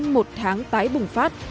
một tháng tái bùng phát